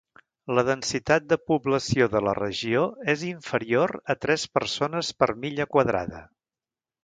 La densitat de població de la regió és inferior a tres persones per milla quadrada.